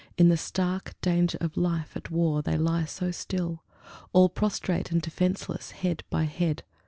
In the stark Danger of life at war, they lie so still, All prostrate and defenceless, head by head